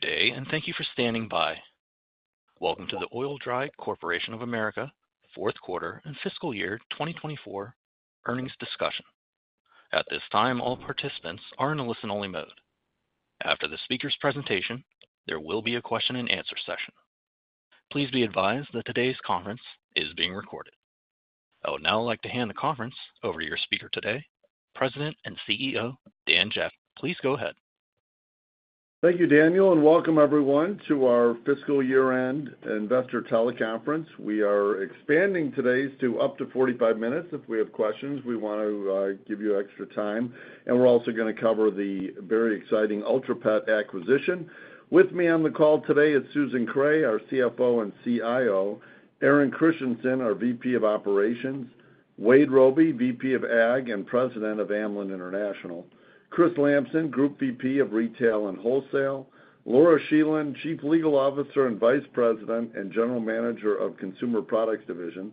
Good day, and thank you for standing by. Welcome to the Oil-Dri Corporation of America fourth Quarter and Fiscal Year 2024 Earnings Discussion. At this time, all participants are in a listen-only mode. After the speaker's presentation, there will be a question-and-answer session. Please be advised that today's conference is being recorded. I would now like to hand the conference over to your speaker today, President and CEO, Dan Jaffee. Please go ahead. Thank you, Daniel, and welcome everyone to our Fiscal Year-End Investor Teleconference. We are expanding today's to up to 45 minutes. If we have questions, we want to give you extra time, and we're also gonna cover the very exciting Ultra Pet acquisition. With me on the call today is Susan Kreh, our CFO and CIO, Aaron Christiansen, our VP of Operations, Wade Robey, VP of Ag and President of Amlan International, Chris Lamson, Group VP of Retail and Wholesale, Laura Scheland, Chief Legal Officer and Vice President and General Manager of Consumer Products Division,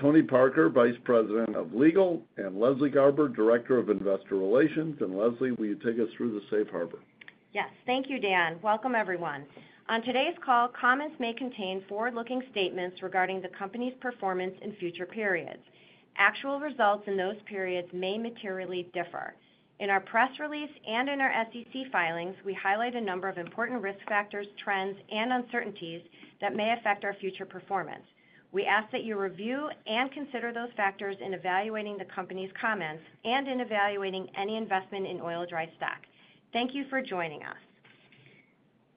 Tony Parker, Vice President of Legal, and Leslie Garber, Director of Investor Relations. Leslie, will you take us through the Safe Harbor? Yes. Thank you, Dan. Welcome, everyone. On today's call, comments may contain forward-looking statements regarding the company's performance in future periods. Actual results in those periods may materially differ. In our press release and in our SEC filings, we highlight a number of important risk factors, trends, and uncertainties that may affect our future performance. We ask that you review and consider those factors in evaluating the company's comments and in evaluating any investment in Oil-Dri stock. Thank you for joining us.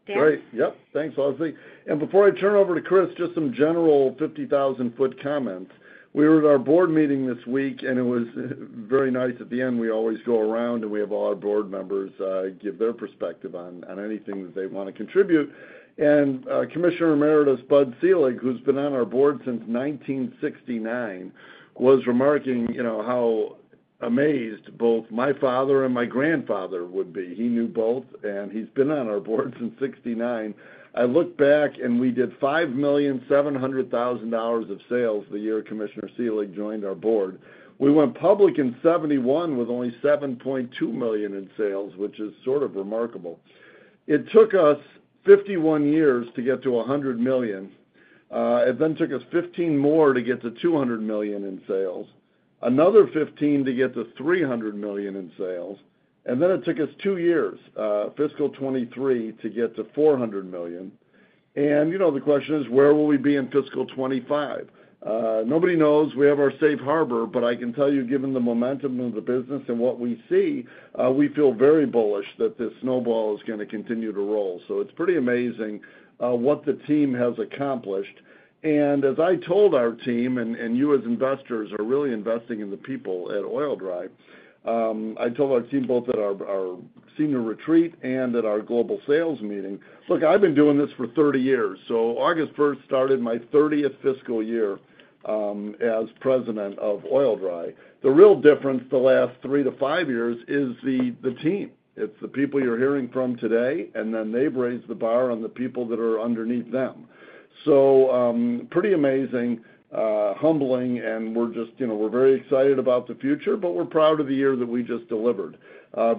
Dan? Great. Yep, thanks, Leslie. Before I turn over to Chris, just some general 50,000-foot comments. We were at our board meeting this week, and it was very nice. At the end, we always go around, and we have all our board members give their perspective on anything that they wanna contribute. Commissioner Emeritus Bud Selig, who's been on our board since 1969, was remarking, you know, how amazed both my father and my grandfather would be. He knew both, and he's been on our board since 1969. I looked back, and we did $5.7 million of sales the year Commissioner Selig joined our board. We went public in 1971 with only $7.2 million in sales, which is sort of remarkable. It took us 51 years to get to $100 million. It then took us 15 more to get to $200 million in sales, another 15 to get to $300 million in sales, and then it took us two years, fiscal 2023, to get to $400 million. And, you know, the question is: Where will we be in fiscal 2025? Nobody knows. We have our Safe Harbor, but I can tell you, given the momentum of the business and what we see, we feel very bullish that this snowball is gonna continue to roll. It's pretty amazing what the team has accomplished. As I told our team, and you, as investors, are really investing in the people at Oil-Dri. I told our team both at our senior retreat and at our global sales meeting: "Look, I've been doing this for thirty years," so August 1st started my thirtieth fiscal year as president of Oil-Dri. The real difference the last three to five years is the team. It's the people you're hearing from today, and then they've raised the bar on the people that are underneath them. So, pretty amazing, humbling, and we're just, you know, we're very excited about the future, but we're proud of the year that we just delivered.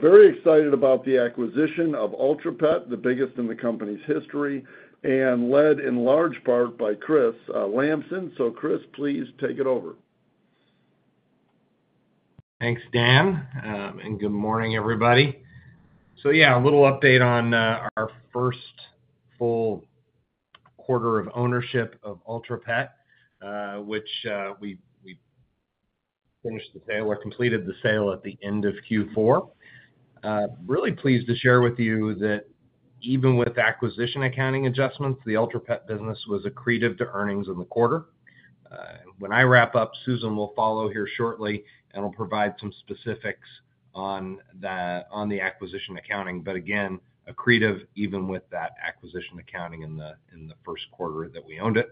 Very excited about the acquisition of Ultra Pet, the biggest in the company's history, and led in large part by Chris Lamson. So Chris, please take it over. Thanks, Dan, and good morning, everybody. So yeah, a little update on our first full quarter of ownership of Ultra Pet, which we finished the sale or completed the sale at the end of Q4. Really pleased to share with you that even with acquisition accounting adjustments, the Ultra Pet business was accretive to earnings in the quarter. When I wrap up, Susan will follow here shortly and will provide some specifics on the acquisition accounting, but again, accretive even with that acquisition accounting in the first quarter that we owned it,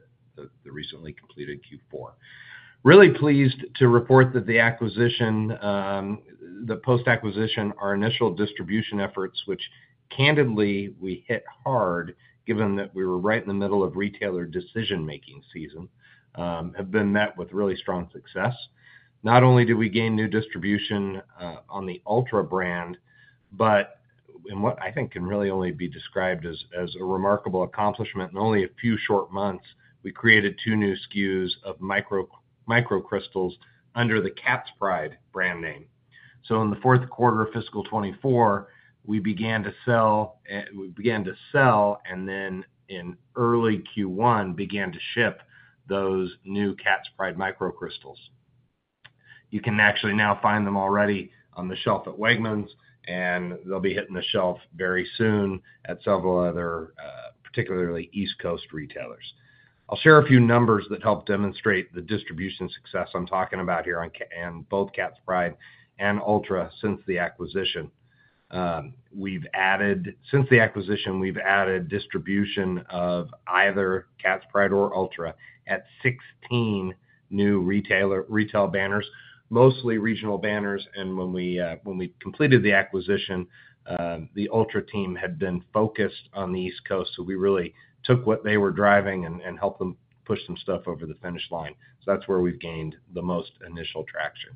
the recently completed Q4. Really pleased to report that the acquisition, the post-acquisition, our initial distribution efforts, which candidly we hit hard given that we were right in the middle of retailer decision-making season, have been met with really strong success. Not only did we gain new distribution on the Ultra brand, but in what I think can really only be described as a remarkable accomplishment, in only a few short months, we created two new SKUs of Micro Crystals under the Cat's Pride brand name. So in the fourth quarter of fiscal 2024, we began to sell, and then in early Q1, began to ship those new Cat's Pride Micro Crystals. You can actually now find them already on the shelf at Wegmans, and they'll be hitting the shelf very soon at several other particularly East Coast retailers. I'll share a few numbers that help demonstrate the distribution success I'm talking about here in both Cat's Pride and Ultra since the acquisition. Since the acquisition, we've added distribution of either Cat's Pride or Ultra at 16 new retailer. Retail banners, mostly regional banners, and when we completed the acquisition, the Ultra team had been focused on the East Coast, so we really took what they were driving and helped them push some stuff over the finish line. So that's where we've gained the most initial traction.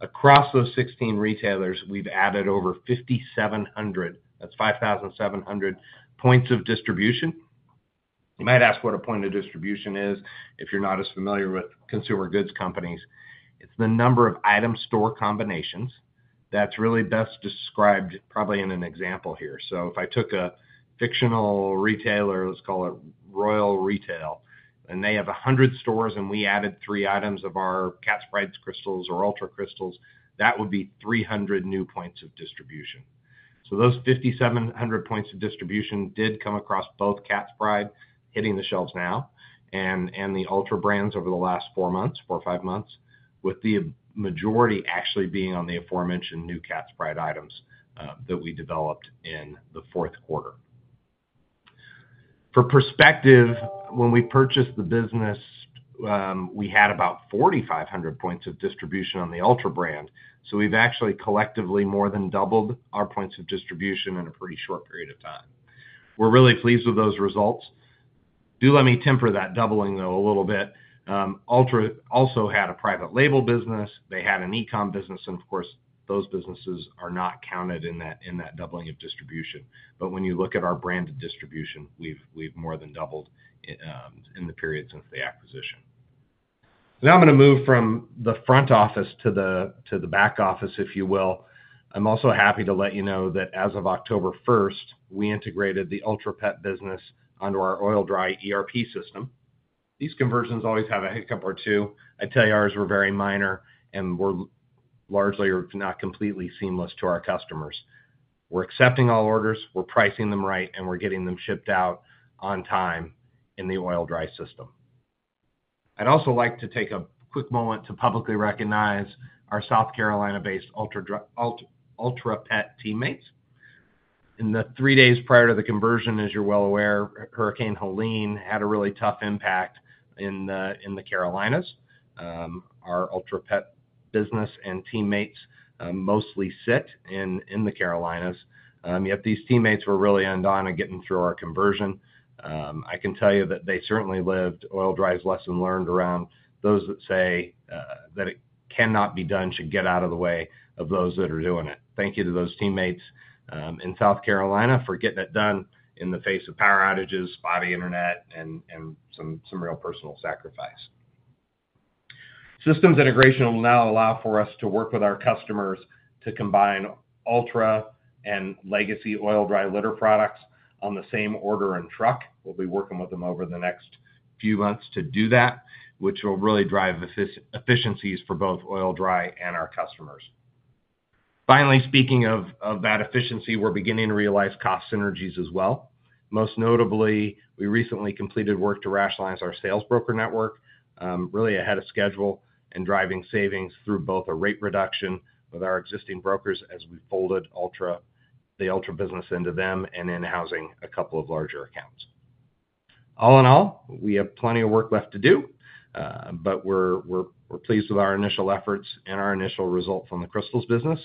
Across those 16 retailers, we've added over 5,700, that's 5,700 points of distribution. You might ask what a point of distribution is, if you're not as familiar with consumer goods companies. It's the number of item store combinations that's really best described probably in an example here. So if I took a fictional retailer, let's call it Royal Retail, and they have 100 stores, and we added three items of our Cat's Pride crystals or Ultra crystals, that would be 300 new points of distribution. Those 5,700 points of distribution did come across both Cat's Pride, hitting the shelves now, and the Ultra brands over the last four months, four or five months, with the majority actually being on the aforementioned new Cat's Pride items that we developed in the fourth quarter. For perspective, when we purchased the business, we had about 4,500 points of distribution on the Ultra brand, so we've actually collectively more than doubled our points of distribution in a pretty short period of time. We're really pleased with those results. Do let me temper that doubling, though, a little bit. Ultra also had a private label business. They had an e-com business, and of course, those businesses are not counted in that doubling of distribution. But when you look at our brand of distribution, we've more than doubled in the period since the acquisition. Now I'm gonna move from the front office to the back office, if you will. I'm also happy to let you know that as of October 1st, we integrated the Ultra Pet business under our Oil-Dri ERP system. These conversions always have a hiccup or two. I'd tell you, ours were very minor and were largely, if not completely, seamless to our customers. We're accepting all orders, we're pricing them right, and we're getting them shipped out on time in the Oil-Dri system. I'd also like to take a quick moment to publicly recognize our South Carolina-based Ultra Pet teammates. In the three days prior to the conversion, as you're well aware, Hurricane Helene had a really tough impact in the Carolinas. Our Ultra Pet business and teammates mostly sit in the Carolinas. Yet these teammates were really all in on getting through our conversion. I can tell you that they certainly lived Oil-Dri's lesson learned around those that say that it cannot be done, should get out of the way of those that are doing it. Thank you to those teammates in South Carolina for getting it done in the face of power outages, spotty internet, and some real personal sacrifice. Systems integration will now allow for us to work with our customers to combine Ultra and legacy Oil-Dri litter products on the same order and truck. We'll be working with them over the next few months to do that, which will really drive efficiencies for both Oil-Dri and our customers. Finally, speaking of that efficiency, we're beginning to realize cost synergies as well. Most notably, we recently completed work to rationalize our sales broker network, really ahead of schedule and driving savings through both a rate reduction with our existing brokers as we folded Ultra, the Ultra business into them and in-housing a couple of larger accounts. All in all, we have plenty of work left to do, but we're pleased with our initial efforts and our initial results from the Crystals business.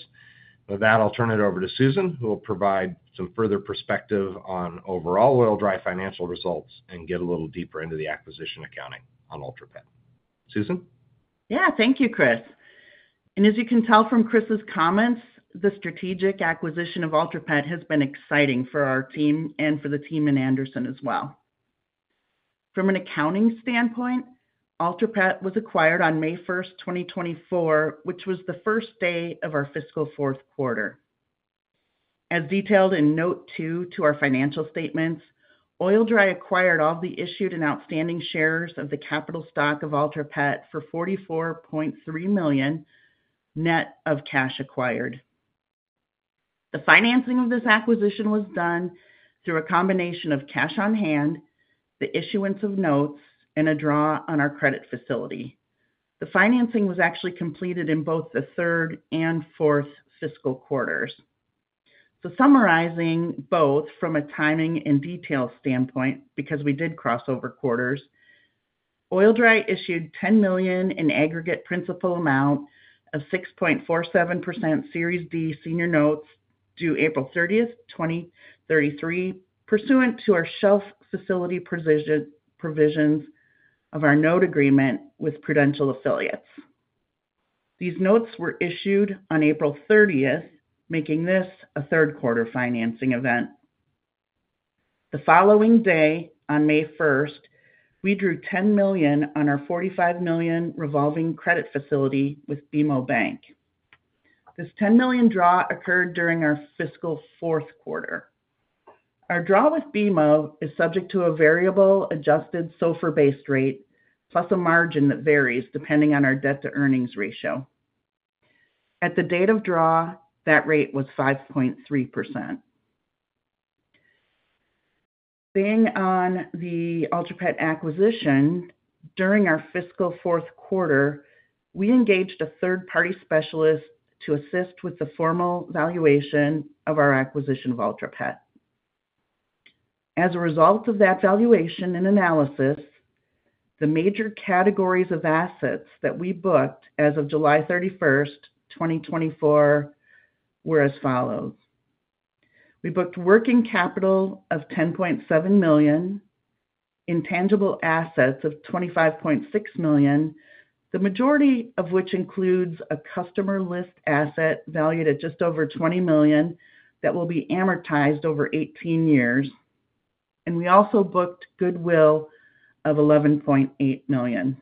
With that, I'll turn it over to Susan, who will provide some further perspective on overall Oil-Dri financial results and get a little deeper into the acquisition accounting on Ultra Pet. Susan? Yeah. Thank you, Chris. And as you can tell from Chris's comments, the strategic acquisition of Ultra Pet has been exciting for our team and for the team in Anderson as well. From an accounting standpoint, Ultra Pet was acquired on May 1st, 2024, which was the first day of our fiscal fourth quarter. As detailed in note 2 to our financial statements, Oil-Dri acquired all the issued and outstanding shares of the capital stock of Ultra Pet for $44.3 million, net of cash acquired. The financing of this acquisition was done through a combination of cash on hand, the issuance of notes, and a draw on our credit facility. The financing was actually completed in both the third and fourth fiscal quarters. So summarizing both from a timing and detail standpoint, because we did cross over quarters, Oil-Dri issued $10 million in aggregate principal amount of 6.47% Series B senior notes due April 30th, 2033, pursuant to our shelf facility provisions of our note agreement with Prudential affiliates. These notes were issued on April thirtieth, making this a third quarter financing event. The following day, on May 1st, we drew $10 million on our $45 million revolving credit facility with BMO Bank. This $10 million draw occurred during our fiscal fourth quarter. Our draw with BMO is subject to a variable Adjusted SOFR-based rate, plus a margin that varies depending on our debt-to-earnings ratio. At the date of draw, that rate was 5.3%. Regarding the Ultra Pet acquisition, during our fiscal fourth quarter, we engaged a third-party specialist to assist with the formal valuation of our acquisition of Ultra Pet. As a result of that valuation and analysis, the major categories of assets that we booked as of July 31, 2024, were as follows: We booked working capital of $10.7 million, intangible assets of $25.6 million, the majority of which includes a customer list asset valued at just over $20 million that will be amortized over 18 years, and we also booked goodwill of $11.8 million.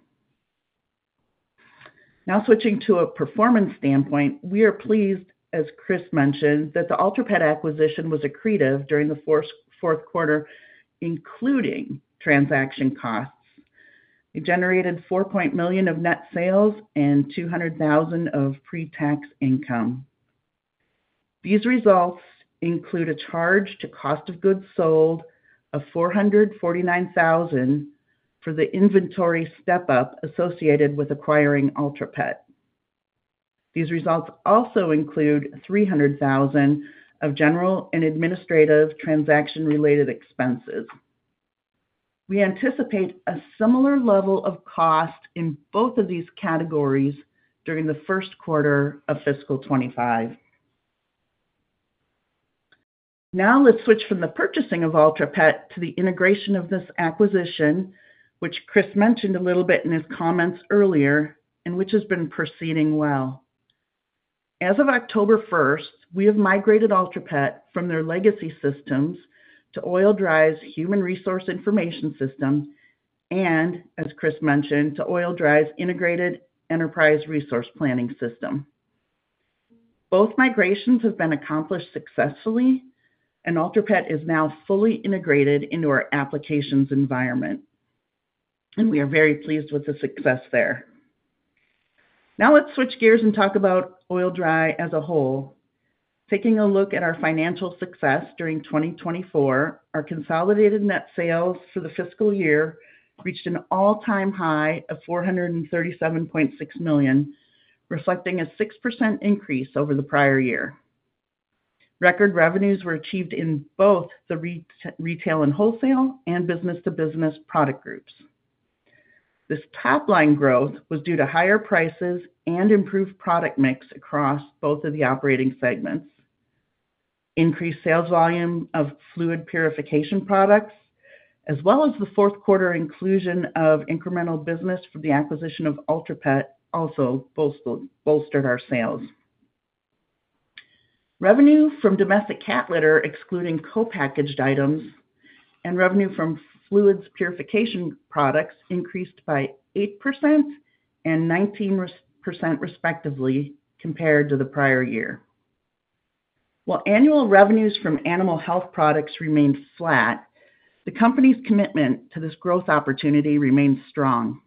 Now switching to a performance standpoint, we are pleased, as Chris mentioned, that the Ultra Pet acquisition was accretive during the fourth quarter, including transaction costs. It generated $4 million of net sales and $200,000 of pre-tax income. These results include a charge to cost of goods sold of $449,000 for the inventory step up associated with acquiring Ultra Pet. These results also include $300,000 of general and administrative transaction-related expenses. We anticipate a similar level of cost in both of these categories during the first quarter of fiscal 2025. Now, let's switch from the purchasing of Ultra Pet to the integration of this acquisition, which Chris mentioned a little bit in his comments earlier, and which has been proceeding well. As of October 1st, we have migrated Ultra Pet from their legacy systems to Oil-Dri's human resource information system, and as Chris mentioned, to Oil-Dri's integrated enterprise resource planning system. Both migrations have been accomplished successfully, and Ultra Pet is now fully integrated into our applications environment, and we are very pleased with the success there. Now let's switch gears and talk about Oil-Dri as a whole. Taking a look at our financial success during 2024, our consolidated net sales for the fiscal year reached an all-time high of $437.6 million, reflecting a 6% increase over the prior year. Record revenues were achieved in both the retail and wholesale and business-to-business product groups. This top-line growth was due to higher prices and improved product mix across both of the operating segments. Increased sales volume of fluid purification products, as well as the fourth quarter inclusion of incremental business from the acquisition of Ultra Pet, also bolstered our sales. Revenue from domestic cat litter, excluding co-packaged items, and revenue from fluids purification products increased by 8% and 19%, respectively, compared to the prior year. While annual revenues from animal health products remained flat, the company's commitment to this growth opportunity remains strong.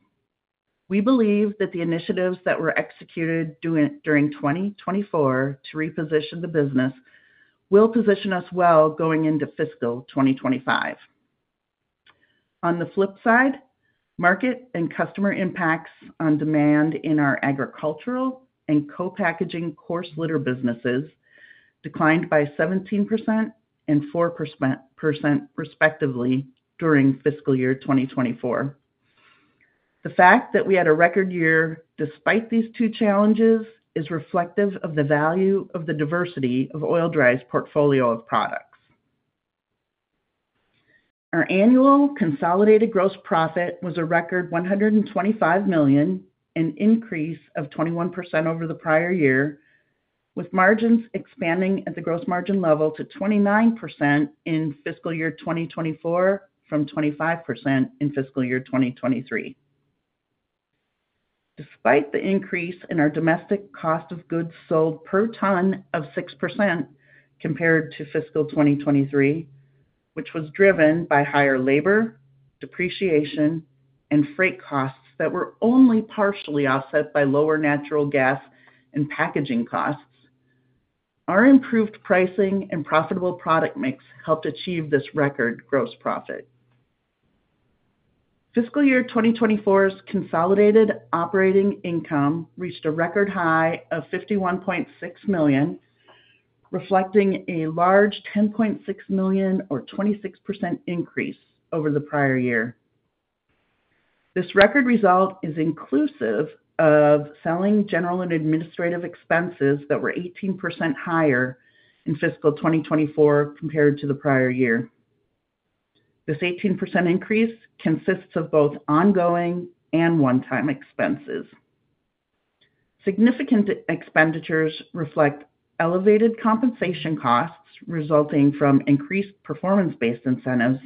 We believe that the initiatives that were executed during 2024 to reposition the business will position us well going into fiscal 2025. On the flip side, market and customer impacts on demand in our agricultural and co-packaging coarse litter businesses declined by 17% and 4% respectively during fiscal year 2024. The fact that we had a record year despite these two challenges is reflective of the value of the diversity of Oil-Dri's portfolio of products. Our annual consolidated gross profit was a record $125 million, an increase of 21% over the prior year, with margins expanding at the gross margin level to 29% in fiscal year 2024, from 25% in fiscal year 2023. Despite the increase in our domestic cost of goods sold per ton of 6% compared to fiscal 2023, which was driven by higher labor, depreciation, and freight costs that were only partially offset by lower natural gas and packaging costs, our improved pricing and profitable product mix helped achieve this record gross profit. Fiscal year 2024's consolidated operating income reached a record high of $51.6 million, reflecting a large $10.6 million or 26% increase over the prior year. This record result is inclusive of selling, general and administrative expenses that were 18% higher in fiscal year 2024 compared to the prior year. This 18% increase consists of both ongoing and one-time expenses. Significant expenditures reflect elevated compensation costs resulting from increased performance-based incentives,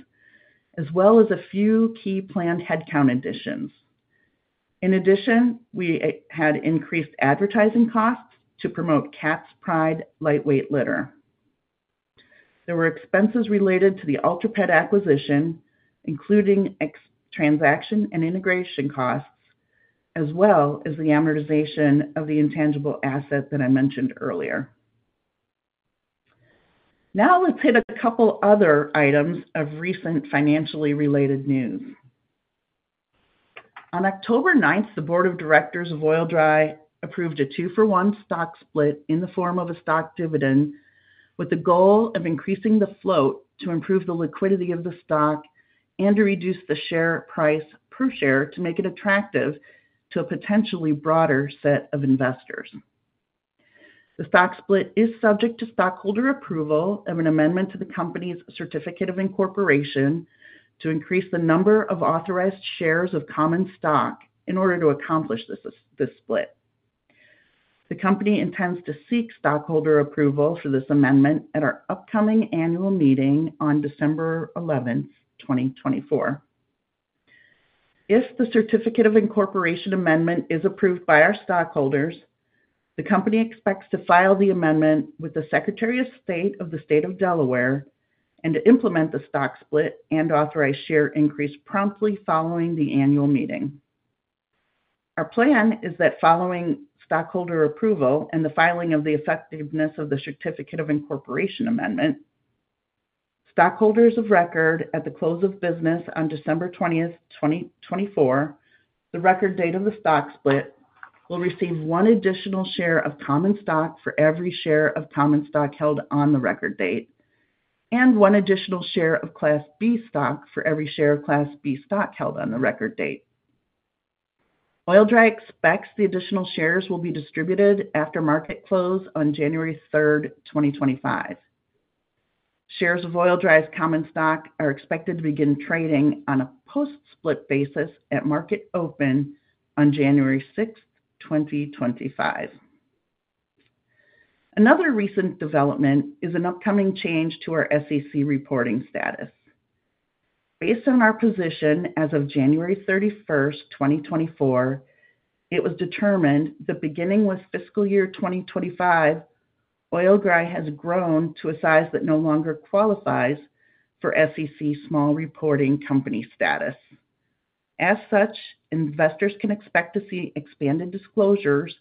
as well as a few key planned headcount additions. In addition, we had increased advertising costs to promote Cat's Pride lightweight litter. There were expenses related to the Ultra Pet acquisition, including transaction and integration costs, as well as the amortization of the intangible asset that I mentioned earlier. Now, let's hit a couple other items of recent financially related news. On October 9th, the board of directors of Oil-Dri approved a two-for-one stock split in the form of a stock dividend, with the goal of increasing the float to improve the liquidity of the stock and to reduce the share price per share to make it attractive to a potentially broader set of investors. The stock split is subject to stockholder approval of an amendment to the company's certificate of incorporation to increase the number of authorized shares of common stock in order to accomplish this split. The company intends to seek stockholder approval for this amendment at our upcoming annual meeting on December 11th, 2024. If the certificate of incorporation amendment is approved by our stockholders, the company expects to file the amendment with the Secretary of State of the State of Delaware, and to implement the stock split and authorize share increase promptly following the annual meeting. Our plan is that following stockholder approval and the filing of the effectiveness of the certificate of incorporation amendment, stockholders of record at the close of business on December 20th, 2024, the record date of the stock split, will receive one additional share of common stock for every share of common stock held on the record date, and one additional share of Class B stock for every share of Class B stock held on the record date. Oil-Dri expects the additional shares will be distributed after market close on January 3rd, 2025. Shares of Oil-Dri's common stock are expected to begin trading on a post-split basis at market open on January 6th, 2025. Another recent development is an upcoming change to our SEC reporting status. Based on our position as of January 31st, 2024, it was determined that beginning with fiscal year 2025, Oil-Dri has grown to a size that no longer qualifies for SEC small reporting company status. As such, investors can expect to see expanded disclosures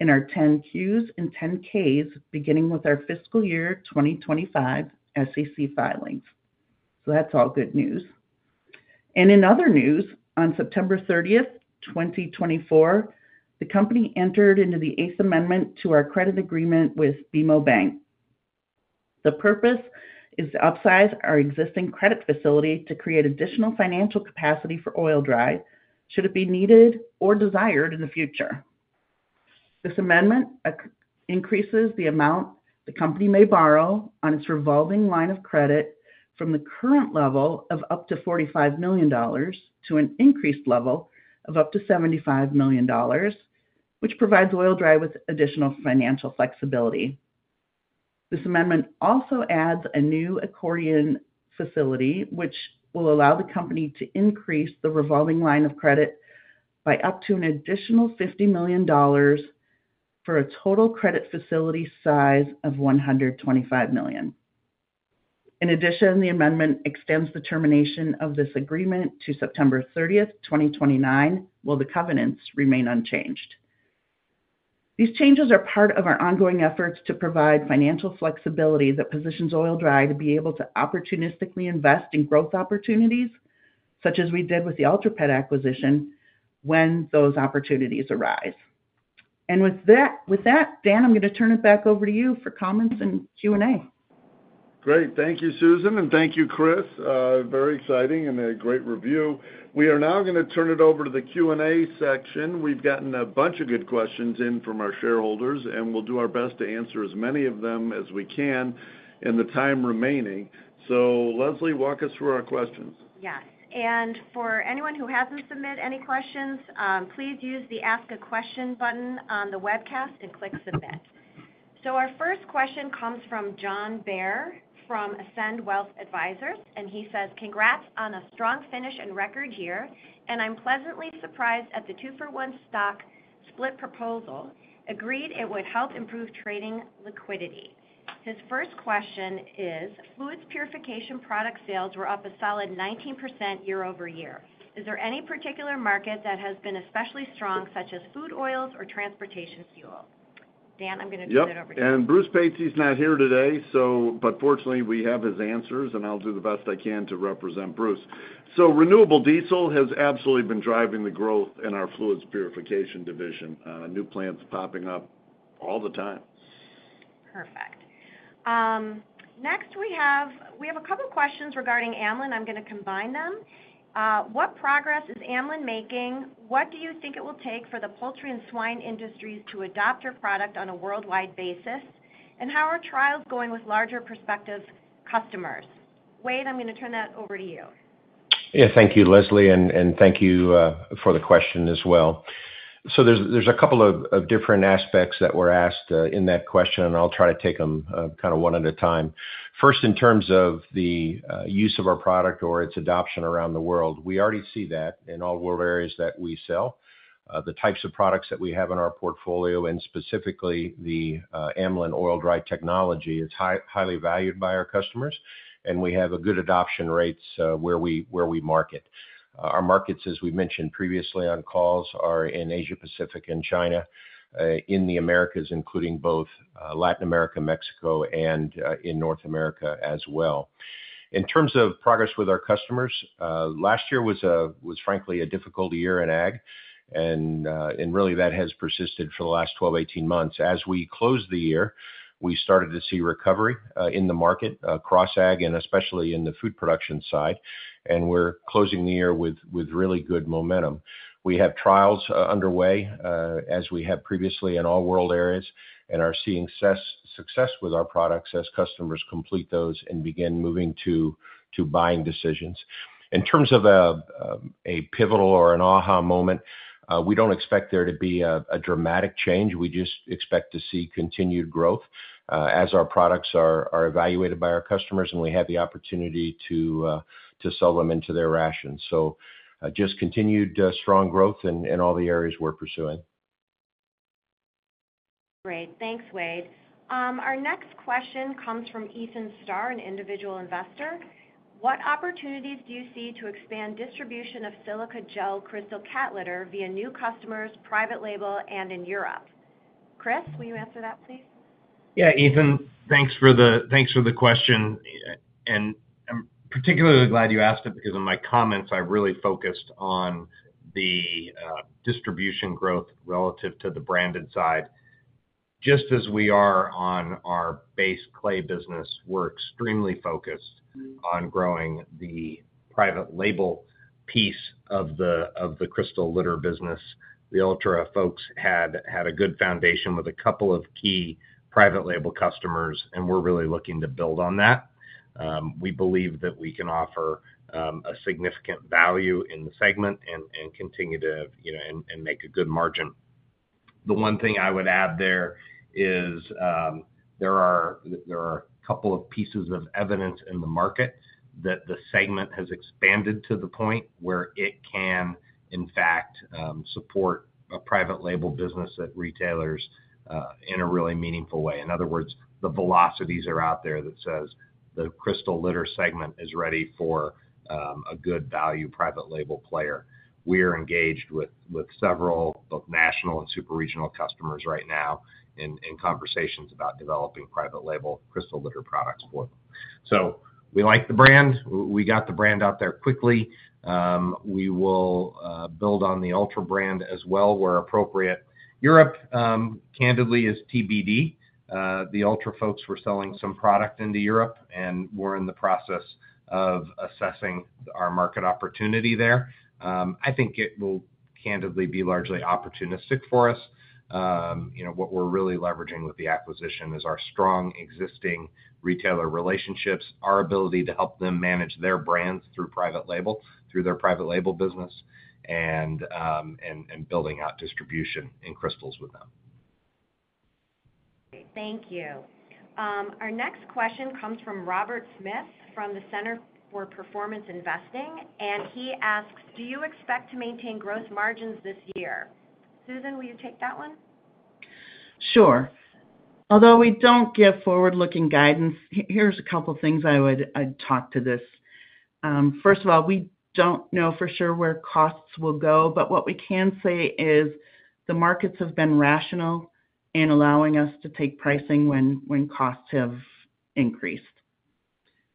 in our 10-Qs and 10-Ks, beginning with our fiscal year 2025 SEC filings. So that's all good news. And in other news, on September 30th, 2024, the company entered into the eighth amendment to our credit agreement with BMO Bank. The purpose is to upsize our existing credit facility to create additional financial capacity for Oil-Dri, should it be needed or desired in the future. This amendment increases the amount the company may borrow on its revolving line of credit from the current level of up to $45 million to an increased level of up to $75 million, which provides Oil-Dri with additional financial flexibility. This amendment also adds a new accordion facility, which will allow the company to increase the revolving line of credit by up to an additional $50 million, for a total credit facility size of $125 million. In addition, the amendment extends the termination of this agreement to September 30th, 2029, while the covenants remain unchanged. These changes are part of our ongoing efforts to provide financial flexibility that positions Oil-Dri to be able to opportunistically invest in growth opportunities, such as we did with the Ultra Pet acquisition, when those opportunities arise. And with that, with that, Dan, I'm going to turn it back over to you for comments and Q&A. Great. Thank you, Susan, and thank you, Chris. Very exciting and a great review. We are now gonna turn it over to the Q&A section. We've gotten a bunch of good questions in from our shareholders, and we'll do our best to answer as many of them as we can in the time remaining. So Leslie, walk us through our questions. Yes, and for anyone who hasn't submitted any questions, please use the Ask a Question button on the webcast and click Submit. Our first question comes from John Baer, from Ascend Wealth Advisors, and he says, "Congrats on a strong finish and record year, and I'm pleasantly surprised at the two-for-one stock split proposal. Agreed it would help improve trading liquidity." His first question is: Fluids Purification product sales were up a solid 19% year-over-year. Is there any particular market that has been especially strong, such as food, oils, or transportation fuel? Dan, I'm going to turn it over to you. Yep. And Bruce Pacey's not here today, so but fortunately, we have his answers, and I'll do the best I can to represent Bruce. So renewable diesel has absolutely been driving the growth in our fluids purification division. New plants popping up all the time. Perfect. Next we have a couple questions regarding Amlan. I'm going to combine them. What progress is Amlan making? What do you think it will take for the poultry and swine industries to adopt your product on a worldwide basis? And how are trials going with larger prospective customers? Wade, I'm going to turn that over to you. Yeah. Thank you, Leslie, and thank you for the question as well. So there's a couple of different aspects that were asked in that question, and I'll try to take them kind of one at a time. First, in terms of the use of our product or its adoption around the world, we already see that in all world areas that we sell. The types of products that we have in our portfolio, and specifically the Amlan Oil-Dri technology, is highly valued by our customers, and we have good adoption rates where we market. Our markets, as we mentioned previously on calls, are in Asia-Pacific and China, in the Americas, including both Latin America, Mexico, and in North America as well. In terms of progress with our customers, last year was frankly a difficult year in ag, and really that has persisted for the last 12, 18 months. As we closed the year, we started to see recovery in the market, across ag and especially in the food production side, and we're closing the year with really good momentum. We have trials underway, as we have previously in all world areas. And are seeing success with our products as customers complete those and begin moving to buying decisions. In terms of a pivotal or an aha moment, we don't expect there to be a dramatic change. We just expect to see continued growth as our products are evaluated by our customers, and we have the opportunity to sell them into their rations. So, just continued strong growth in all the areas we're pursuing. Great. Thanks, Wade. Our next question comes from Ethan Starr, an individual investor. What opportunities do you see to expand distribution of silica gel crystal cat litter via new customers, private label, and in Europe? Chris, will you answer that, please? Yeah, Ethan, thanks for the, thanks for the question. I'm particularly glad you asked it because in my comments, I really focused on the distribution growth relative to the branded side. Just as we are on our base clay business, we're extremely focused on growing the private label piece of the crystal litter business. The Ultra folks had a good foundation with a couple of key private label customers, and we're really looking to build on that. We believe that we can offer a significant value in the segment and continue to, you know, make a good margin. The one thing I would add there is, there are a couple of pieces of evidence in the market that the segment has expanded to the point where it can, in fact, support a private label business at retailers, in a really meaningful way. In other words, the velocities are out there that says the crystal litter segment is ready for, a good value private label player. We are engaged with several, both national and super regional customers right now in conversations about developing private label crystal litter products for them. So we like the brand. We got the brand out there quickly. We will build on the Ultra brand as well, where appropriate. Europe, candidly, is TBD. The Ultra folks were selling some product into Europe, and we're in the process of assessing our market opportunity there. I think it will candidly be largely opportunistic for us. You know, what we're really leveraging with the acquisition is our strong existing retailer relationships, our ability to help them manage their brands through private label, through their private label business, and building out distribution in crystals with them. Thank you. Our next question comes from Robert Smith from the Center for Performance Investing, and he asks: Do you expect to maintain gross margins this year? Susan, will you take that one? Sure. Although we don't give forward-looking guidance, here's a couple things I would, I'd talk to this. First of all, we don't know for sure where costs will go, but what we can say is the markets have been rational in allowing us to take pricing when costs have increased.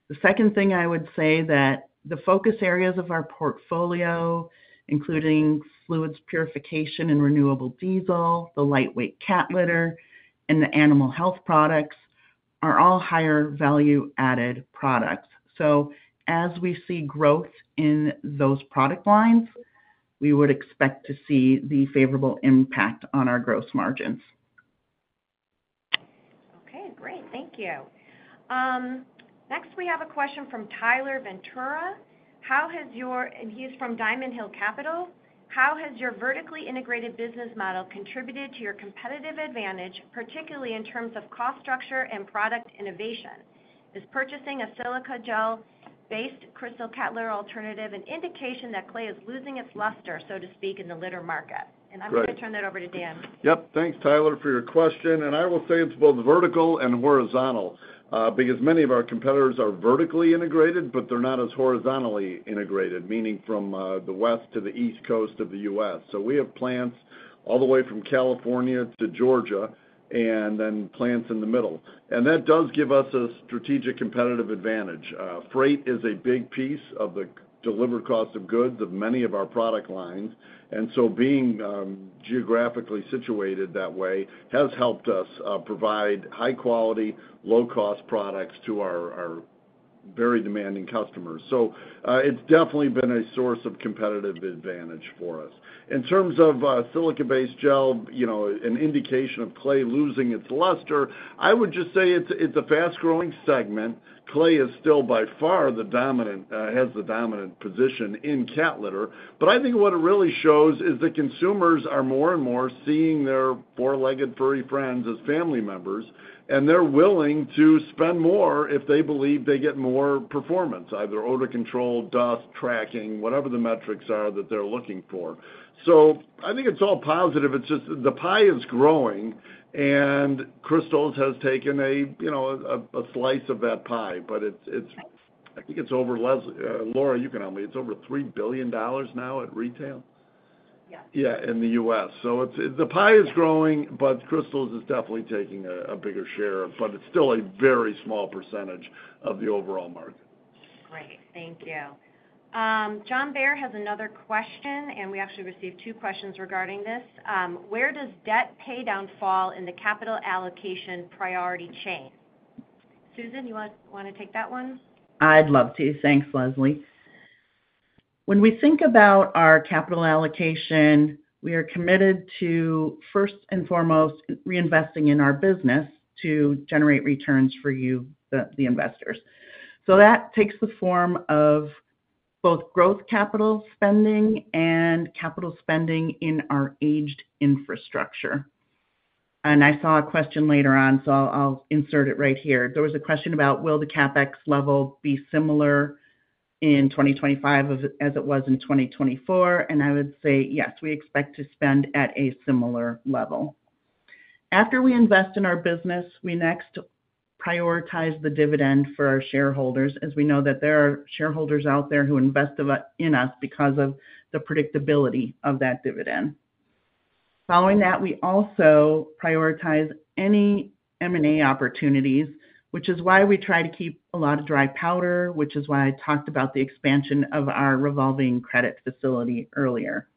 The second thing I would say that the focus areas of our portfolio, including fluids purification and renewable diesel, the lightweight cat litter, and the animal health products, are all higher value-added products, so as we see growth in those product lines, we would expect to see the favorable impact on our gross margins. Okay, great. Thank you. Next, we have a question from Tyler Ventura. How has your... And he is from Diamond Hill Capital. How has your vertically integrated business model contributed to your competitive advantage, particularly in terms of cost structure and product innovation? Is purchasing a silica gel-based crystal cat litter alternative an indication that clay is losing its luster, so to speak, in the litter market? Right. I'm gonna turn that over to Dan. Yep. Thanks, Tyler, for your question, and I will say it's both vertical and horizontal because many of our competitors are vertically integrated, but they're not as horizontally integrated, meaning from the West to the East Coast of the U.S. So we have plants all the way from California to Georgia, and then plants in the middle. And that does give us a strategic competitive advantage. Freight is a big piece of the delivered cost of goods of many of our product lines, and so being geographically situated that way has helped us provide high-quality, low-cost products to our very demanding customers. So it's definitely been a source of competitive advantage for us. In terms of silica-based gel, you know, an indication of clay losing its luster, I would just say it's a fast-growing segment. Clay is still, by far, the dominant, has the dominant position in cat litter. But I think what it really shows is that consumers are more and more seeing their four-legged furry friends as family members, and they're willing to spend more if they believe they get more performance, either odor control, dust, tracking, whatever the metrics are that they're looking for. So I think it's all positive. It's just the pie is growing, and crystals has taken a, you know, a slice of that pie, but it's. Right. I think it's over $3 billion now at retail? Yes. Yeah, in the U.S., so the pie is growing, but crystals is definitely taking a bigger share, but it's still a very small percentage of the overall market. Great. Thank you. John Baer has another question, and we actually received two questions regarding this. Where does debt paydown fall in the capital allocation priority chain? Susan, you want, wanna take that one? I'd love to. Thanks, Leslie. When we think about our capital allocation, we are committed to, first and foremost, reinvesting in our business to generate returns for you, the, the investors. So that takes the form of both growth capital spending and capital spending in our aged infrastructure. And I saw a question later on, so I'll insert it right here. There was a question about, will the CapEx level be similar in 2025 as it was in 2024? And I would say, yes, we expect to spend at a similar level. After we invest in our business, we next prioritize the dividend for our shareholders, as we know that there are shareholders out there who invest in us because of the predictability of that dividend. Following that, we also prioritize any M&A opportunities, which is why we try to keep a lot of dry powder, which is why I talked about the expansion of our revolving credit facility earlier.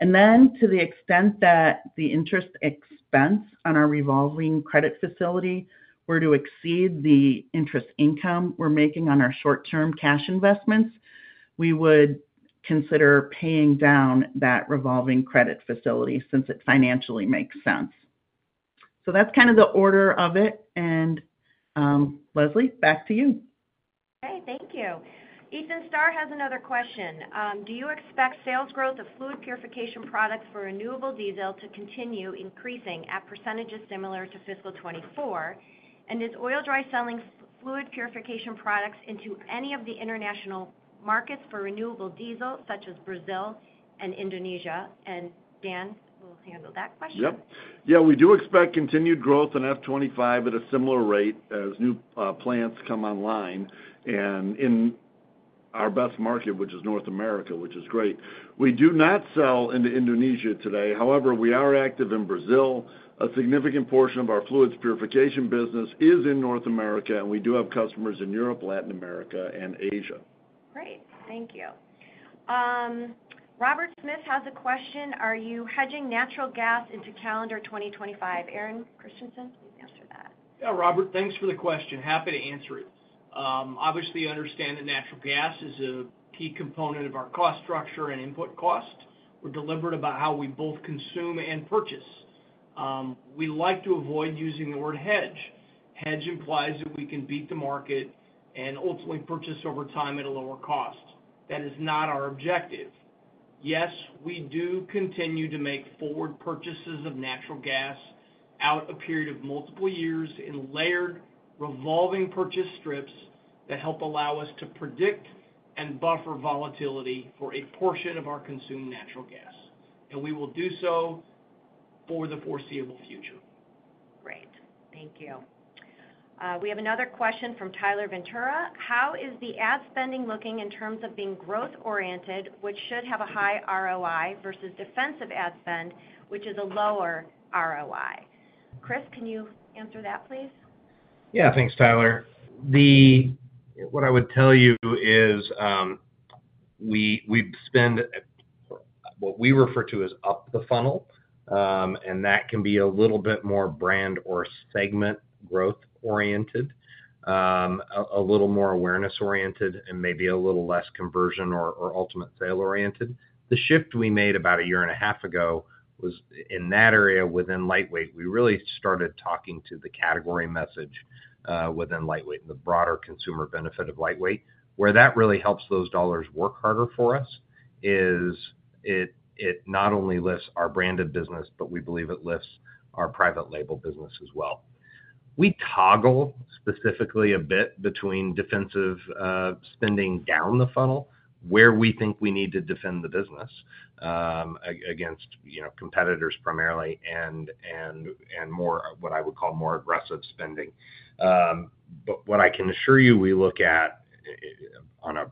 And then to the extent that the interest expense on our revolving credit facility were to exceed the interest income we're making on our short-term cash investments, we would consider paying down that revolving credit facility since it financially makes sense. So that's kind of the order of it, and, Leslie, back to you. Okay, thank you. Ethan Starr has another question: Do you expect sales growth of fluid purification products for renewable diesel to continue increasing at percentages similar to fiscal 2024? And is Oil-Dri selling fluid purification products into any of the international markets for renewable diesel, such as Brazil and Indonesia? And Dan will handle that question. Yep. Yeah, we do expect continued growth in FY 2025 at a similar rate as new plants come online, and in our best market, which is North America, which is great. We do not sell into Indonesia today. However, we are active in Brazil. A significant portion of our fluids purification business is in North America, and we do have customers in Europe, Latin America, and Asia. Great, thank you. Robert Smith has a question: Are you hedging natural gas into calendar 2025? Aaron Christiansen, please answer that. Yeah, Robert, thanks for the question. Happy to answer it. Obviously, understand that natural gas is a key component of our cost structure and input cost. We're deliberate about how we both consume and purchase. We like to avoid using the word hedge. Hedge implies that we can beat the market and ultimately purchase over time at a lower cost. That is not our objective. Yes, we do continue to make forward purchases of natural gas out a period of multiple years in layered, revolving purchase strips that help allow us to predict and buffer volatility for a portion of our consumed natural gas, and we will do so for the foreseeable future. Great, thank you. We have another question from Tyler Ventura: How is the ad spending looking in terms of being growth-oriented, which should have a high ROI, versus defensive ad spend, which is a lower ROI? Chris, can you answer that, please? Yeah. Thanks, Tyler. The what I would tell you is, we spend what we refer to as up the funnel, and that can be a little bit more brand or segment growth-oriented, a little more awareness-oriented and maybe a little less conversion or ultimate sale-oriented. The shift we made about a year and a half ago was in that area within lightweight. We really started talking to the category message within lightweight, the broader consumer benefit of lightweight. Where that really helps those dollars work harder for us is it not only lifts our branded business, but we believe it lifts our private label business as well. We toggle specifically a bit between defensive spending down the funnel, where we think we need to defend the business against, you know, competitors primarily, and more, what I would call more aggressive spending. But what I can assure you, we look at, on a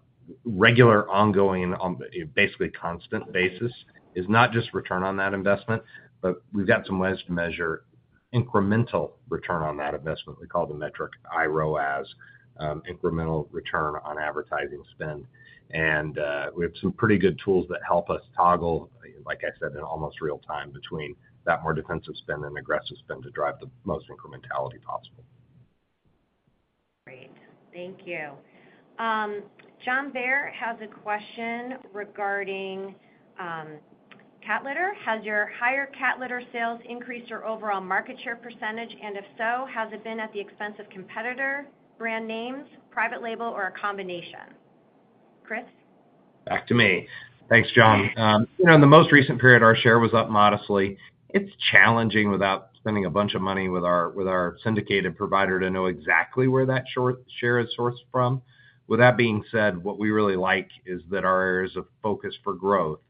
regular, ongoing, on a basically constant basis, is not just return on that investment, but we've got some ways to measure incremental return on that investment. We call the metric IROAS, Incremental Return On Advertising Spend, and we have some pretty good tools that help us toggle, like I said, in almost real time between that more defensive spend and aggressive spend to drive the most incrementality possible. Great. Thank you. John Baer has a question regarding cat litter: Has your higher cat litter sales increased your overall market share percentage, and if so, has it been at the expense of competitor, brand names, private label, or a combination? Chris? Back to me. Thanks, John. You know, in the most recent period, our share was up modestly. It's challenging without spending a bunch of money with our syndicated provider to know exactly where that short share is sourced from. With that being said, what we really like is that our areas of focus for growth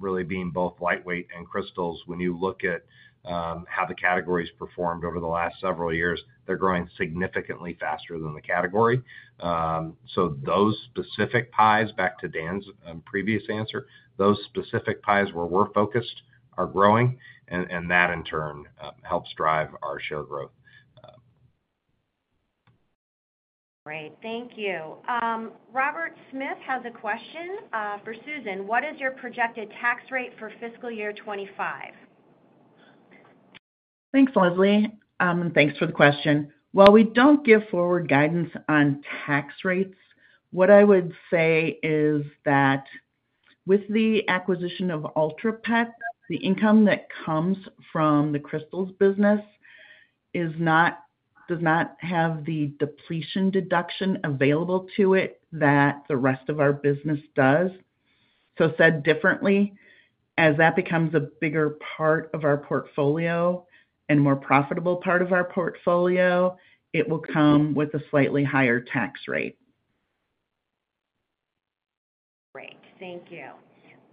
really being both lightweight and crystals. When you look at how the categories performed over the last several years, they're growing significantly faster than the category. So those specific pies, back to Dan's previous answer, those specific pies where we're focused are growing, and that, in turn, helps drive our share growth. Great, thank you. Robert Smith has a question for Susan: What is your projected tax rate for fiscal year 2025? Thanks, Leslie, and thanks for the question. While we don't give forward guidance on tax rates, what I would say is that with the acquisition of Ultra Pet, the income that comes from the crystals business does not have the depletion deduction available to it that the rest of our business does. So said differently, as that becomes a bigger part of our portfolio and more profitable part of our portfolio, it will come with a slightly higher tax rate. Great. Thank you.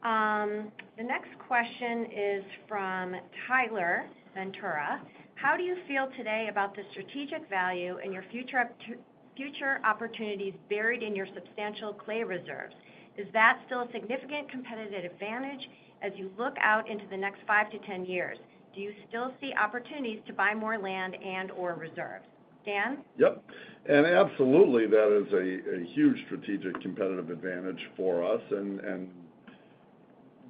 The next question is from Tyler Ventura: How do you feel today about the strategic value in your future opportunities buried in your substantial clay reserves? Is that still a significant competitive advantage as you look out into the next five to ten years? Do you still see opportunities to buy more land and/or reserves? Dan? Yep. And absolutely, that is a huge strategic competitive advantage for us, and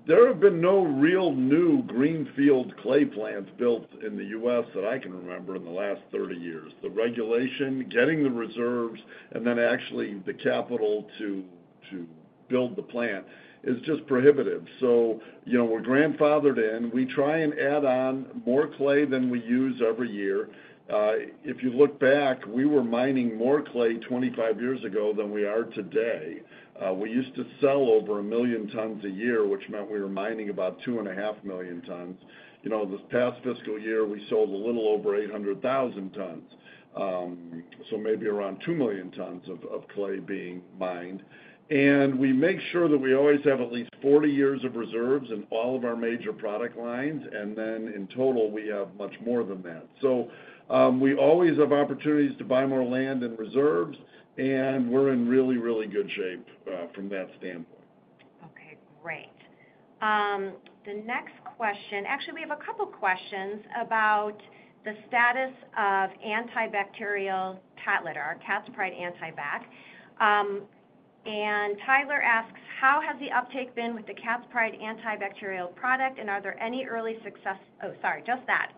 there have been no real new greenfield clay plants built in the U.S. that I can remember in the last 30 years. The regulation, getting the reserves, and then actually the capital to build the plant is just prohibitive. So, you know, we're grandfathered in. We try and add on more clay than we use every year. If you look back, we were mining more clay 25 years ago than we are today. We used to sell over a million tons a year, which meant we were mining about 2.5 million tons. You know, this past fiscal year, we sold a little over 800,000 tons, so maybe around 2 million tons of clay being mined. And we make sure that we always have at least 40 years of reserves in all of our major product lines, and then in total, we have much more than that. So, we always have opportunities to buy more land and reserves, and we're in really, really good shape, from that standpoint. Okay, great. The next question. Actually, we have a couple questions about the status of antibacterial cat litter, our Cat's Pride Antibac, and Tyler asks: How has the uptake been with the Cat's Pride antibacterial product, and are there any early success, oh, sorry, just that.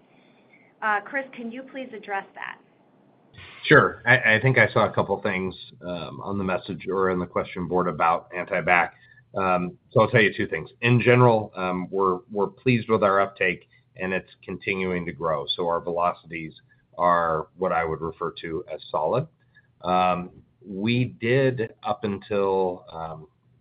Chris, can you please address that? Sure. I think I saw a couple things on the message or on the question board about Antibac. So I'll tell you two things. In general, we're pleased with our uptake, and it's continuing to grow, so our velocities are what I would refer to as solid. We did, up until,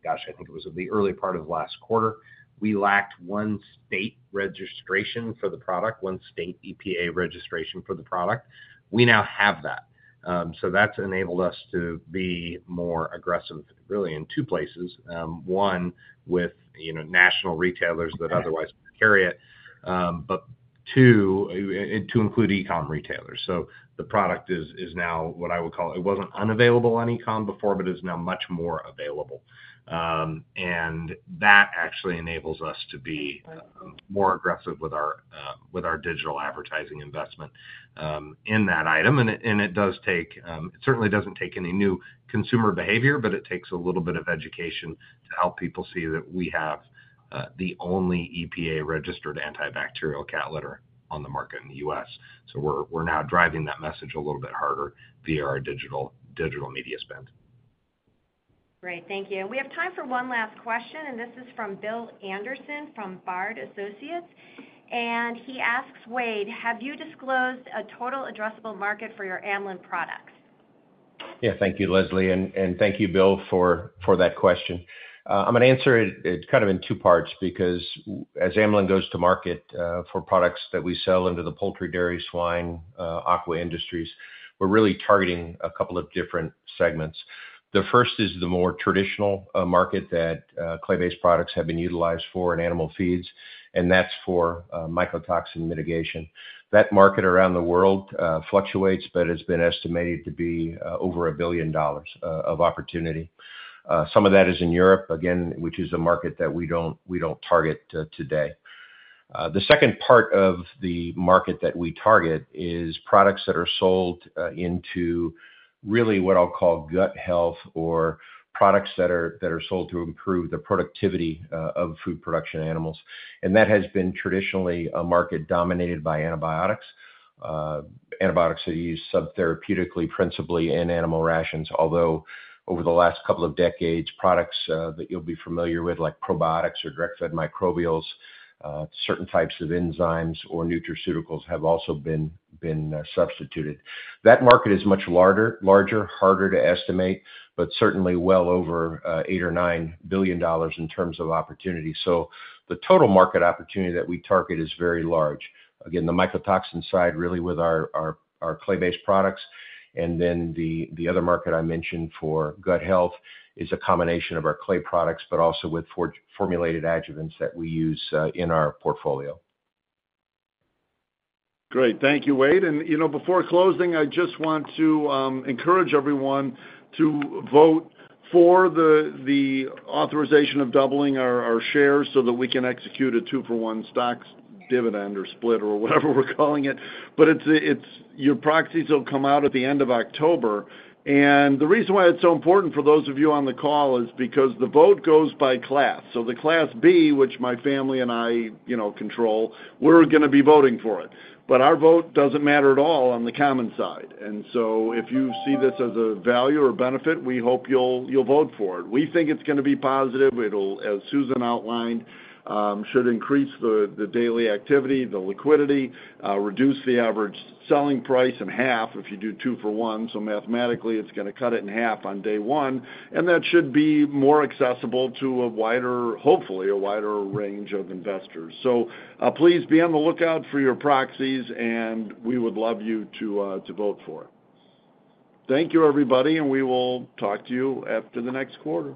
gosh, I think it was the early part of last quarter, we lacked one state registration for the product, one state EPA registration for the product. We now have that. So that's enabled us to be more aggressive, really, in two places. One, with you know, national retailers that otherwise wouldn't carry it, but two, and to include e-com retailers. The product is now what I would call... It wasn't unavailable on e-com before, but is now much more available. And that actually enables us to be more aggressive with our digital advertising investment in that item. And it does take, it certainly doesn't take any new consumer behavior, but it takes a little bit of education to help people see that we have the only EPA-registered antibacterial cat litter on the market in the U.S. So we're now driving that message a little bit harder via our digital media spend. Great, thank you, and we have time for one last question, and this is from Bill Anderson, from Bard Associates, and he asks: Wade, have you disclosed a total addressable market for your Amlan products? Yeah. Thank you, Leslie, and thank you, Bill, for that question. I'm gonna answer it kind of in two parts because as Amlan goes to market for products that we sell into the poultry, dairy, swine, aqua industries, we're really targeting a couple of different segments. The first is the more traditional market that clay-based products have been utilized for in animal feeds, and that's for mycotoxin mitigation. That market around the world fluctuates, but it's been estimated to be over $1 billion of opportunity. Some of that is in Europe, again, which is a market that we don't target today. The second part of the market that we target is products that are sold into really what I'll call gut health or products that are sold to improve the productivity of food production animals, and that has been traditionally a market dominated by antibiotics. Antibiotics that are used sub-therapeutically, principally in animal rations, although over the last couple of decades, products that you'll be familiar with, like probiotics or direct-fed microbials, certain types of enzymes or nutraceuticals, have also been substituted. That market is much larger, harder to estimate, but certainly well over $8 billion or $9 billion in terms of opportunity. So the total market opportunity that we target is very large. Again, the mycotoxin side, really with our clay-based products, and then the other market I mentioned for gut health is a combination of our clay products, but also with formulated adjuvants that we use in our portfolio. Great. Thank you, Wade. And, you know, before closing, I just want to encourage everyone to vote for the authorization of doubling our shares so that we can execute a two-for-one stock dividend or split or whatever we're calling it. But it's your proxies will come out at the end of October, and the reason why it's so important for those of you on the call is because the vote goes by class. So the Class B, which my family and I, you know, control, we're gonna be voting for it. But our vote doesn't matter at all on the common side. And so if you see this as a value or benefit, we hope you'll vote for it. We think it's gonna be positive. It'll, as Susan outlined, should increase the daily activity, the liquidity, reduce the average selling price in half if you do two-for-one. So mathematically, it's gonna cut it in half on day one, and that should be more accessible to a wider, hopefully, wider range of investors. So, please be on the lookout for your proxies, and we would love you to vote for it. Thank you, everybody, and we will talk to you after the next quarter.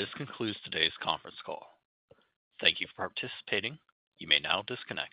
This concludes today's conference call. Thank you for participating. You may now disconnect.